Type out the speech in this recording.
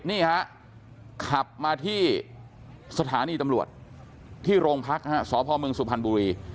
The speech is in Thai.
นี่ฮะขับมาที่สถานีตำรวจที่โรงพักสพเมืองสุพรรณบุรี